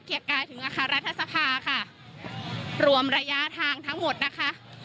กายถึงอาคารรัฐสภาค่ะรวมระยะทางทั้งหมดนะคะ